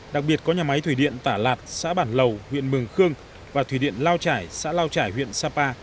đặc biệt có nhà máy thủy điện tả lạt xã bản lầu huyện mường khương và thủy điện lao trải xã lao trải huyện sapa